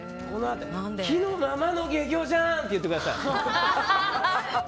木のままの懸魚じゃんって言ってください。